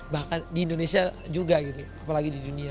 bahkan di indonesia juga gitu apalagi di dunia